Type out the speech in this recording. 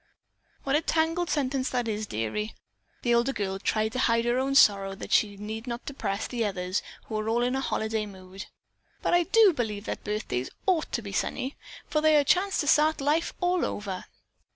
"What a tangled up sentence that is, dearie!" The older girl tried to hide her own sorrow that she need not depress the others who were all in a holiday mood. "But I do believe that birthdays ought to be sunny, for they are a chance to start life all over."